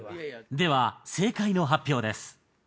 では正解の発表です。